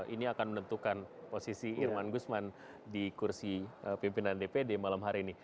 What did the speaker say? ini akan menentukan posisi irman gusman di kursi pimpinan dpd malam hari ini